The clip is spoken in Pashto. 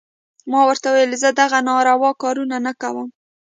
ما ورته وويل زه دغه ناروا کارونه نه کوم.